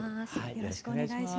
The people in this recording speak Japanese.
よろしくお願いします。